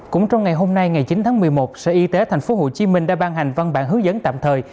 cũng trong ngày hôm nay ngày chín tháng một mươi một sở y tế tp hcm đã ban hành văn bản hướng dẫn tạm thời